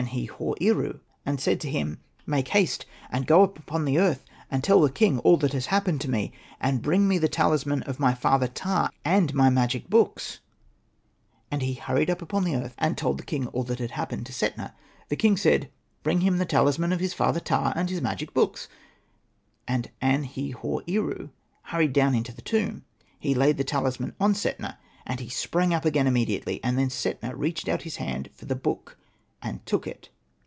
he.hor.eru and said to him, APPLYING THE TALISMAN. '' Make haste and go up upon earth, and tell the king all that has happened to me, and bring me the talisman of my father Ptah, and my magic books.'' And he hurried up upon earth, and told Hosted by Google SETNA AND THE MAGIC BOOK iii the king all that had happened to Setna. The king said, '' Bring him the talisman of his father Ptah^ and his magic books." And An.he.hor.eru hurried down into the tomb ; ^li,^^^v SETNA VICTORIOUS. he laid the tahsman on Setna, and he sprang up again immediately. And then Setna reached out his hand for the book, and took it.